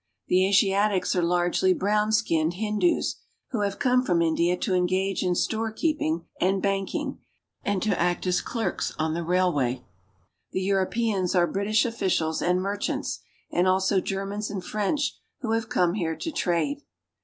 The Asiatics are largely brown skinned Hindoos, who have come from India to engage in store keeping and banking, and to act as clerks on the railway. The Europeans are British officials and merchants, and also Germans and French who have come here to trade.